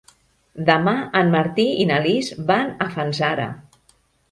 Demà en Martí i na Lis van a Fanzara.